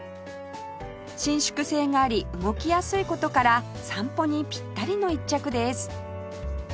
伸縮性があり動きやすい事から散歩にピッタリの一着です